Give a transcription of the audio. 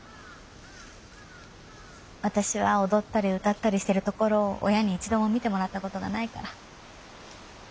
私は踊ったり歌ったりしてるところを親に一度も見てもらったことがないから。